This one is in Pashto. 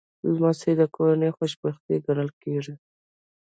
لمسی د کورنۍ خوشبختي ګڼل کېږي.